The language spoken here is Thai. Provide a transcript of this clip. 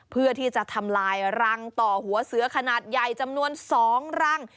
เพื่อที่จะทำลายรังต่อหัวเสือขนาดใหญ่จำนวน๒รัง